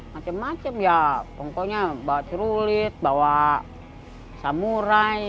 macem macem ya pokoknya bawa trulit bawa samurai